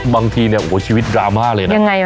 บางทีโอ้โฮชีวิตดราม่าเลยนะ